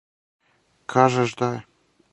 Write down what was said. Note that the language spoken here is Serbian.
Кажеш да је?